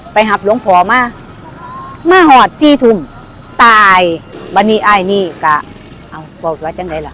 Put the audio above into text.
ไปหับโรงพอมามาหอดสี่ทุ่มตายวันนี้อ้ายนี่กะเอาบ่เอาไว้จังไงล่ะ